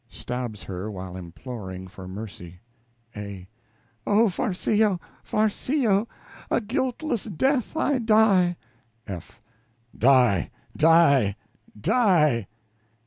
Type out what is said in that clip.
(Stabs her while imploring for mercy.) A. Oh, Farcillo, Farcillo, a guiltless death I die. F. Die! die! die!